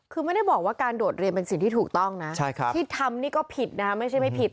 คือไม่ได้บอกว่าการโดดเรียนเป็นสิ่งที่ถูกต้องนะที่ทำนี่ก็ผิดนะไม่ใช่ไม่ผิด